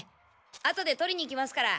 あとで取りに来ますから。